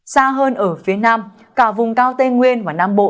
xa hơn ở phía nam cả vùng cao tây nguyên và nam bộ